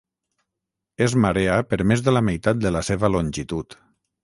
És marea per més de la meitat de la seva longitud.